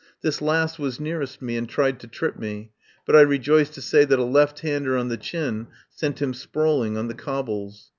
This last was nearest me and tried to trip me, but I rejoice to say that a left hander on the chin sent him sprawling on the cob bles.